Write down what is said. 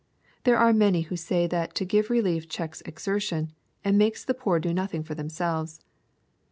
There are many who say that to give rehef checks exertion, and makes the poor do nothing for themselves.